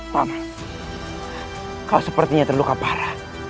tolong kau sepertinya terluka parah